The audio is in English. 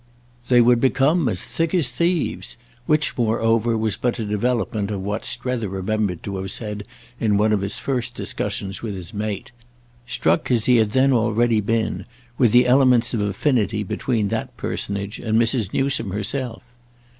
They would become as thick as thieves—which moreover was but a development of what Strether remembered to have said in one of his first discussions with his mate, struck as he had then already been with the elements of affinity between that personage and Mrs. Newsome herself.